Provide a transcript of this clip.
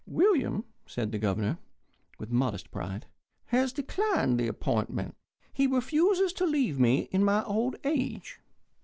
"William," said the Governor, with modest pride, "has declined the appointment. He refuses to leave me in my old age.